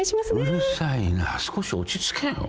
うるさいな少し落ち着けよ。